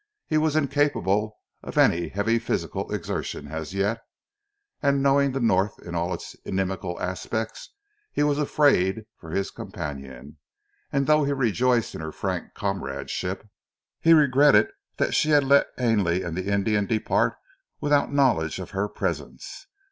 He was incapable of any heavy physical exertion as yet, and knowing the North in all its inimical aspects, he was afraid for his companion, and though he rejoiced in her frank comradeship, he regretted that she had let Ainley and the Indian depart without knowledge of her presence.